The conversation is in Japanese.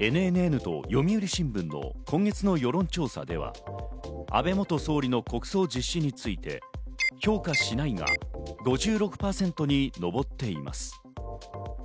ＮＮＮと読売新聞の今月の世論調査では安倍元総理の国葬実施について、評価しないが５６％に上っています。